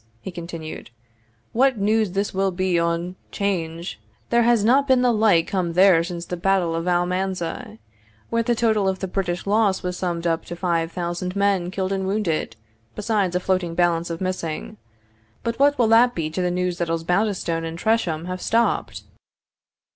he continued. "What news this will be on 'Change! There has not the like come there since the battle of Almanza, where the total of the British loss was summed up to five thousand men killed and wounded, besides a floating balance of missing but what will that be to the news that Osbaldistone and Tresham have stopped!"